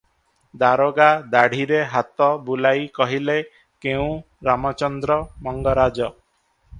ଦାରୋଗା ଦାଢ଼ିରେ ହାତ ବୁଲାଇ କହିଲେ, "କେଉଁ ରାମଚନ୍ଦ୍ର ମଙ୍ଗରାଜ!